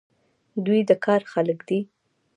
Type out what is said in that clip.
دوی د کار خلک دي.